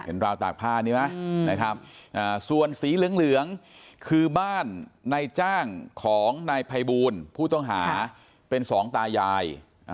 ราวตากผ้านี้ไหมนะครับส่วนสีเหลืองคือบ้านในจ้างของนายภัยบูลผู้ต้องหาเป็นสองตายาย